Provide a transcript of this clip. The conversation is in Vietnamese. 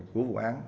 của vụ án